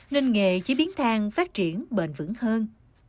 nên nghề chế biến thang phát triển bền vững hơn